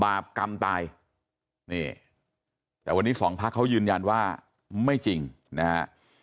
บาปกรรมตายนี่แต่วันนี้สองพักเขายืนยันว่าไม่จริงนะฮะ